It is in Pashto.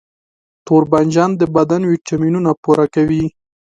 توربانجان د بدن ویټامینونه پوره کوي.